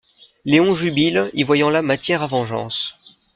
Léon jubile y voyant là matière à vengeance...